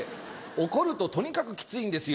怒るととにかくキツいんですよ。